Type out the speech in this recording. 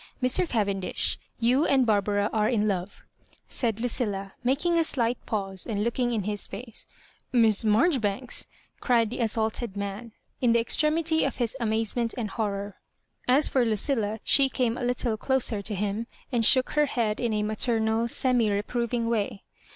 Mr. Cavendish, you and Barbara are in love^*' said Lucilla, making a slight pause, and looking in his foce. " Miss Maijoribanks I" cried the assaulted man, in the extremity of hia amazement and horror. As for Lucilla, she came a little closer to him, and shook her head in a maternal, semi reproving way.